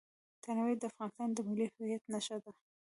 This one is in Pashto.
تنوع د افغانستان د ملي هویت نښه ده.